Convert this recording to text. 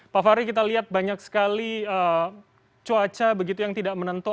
pak fahri kita lihat banyak sekali cuaca begitu yang tidak menentu